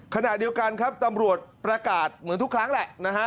ขณะเดียวกันครับตำรวจประกาศเหมือนทุกครั้งแหละนะฮะ